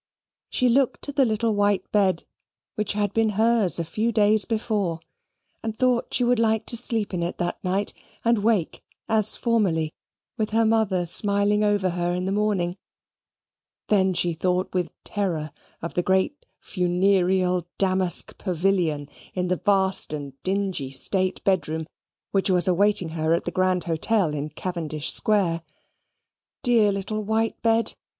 She looked at the little white bed, which had been hers a few days before, and thought she would like to sleep in it that night, and wake, as formerly, with her mother smiling over her in the morning: Then she thought with terror of the great funereal damask pavilion in the vast and dingy state bedroom, which was awaiting her at the grand hotel in Cavendish Square. Dear little white bed!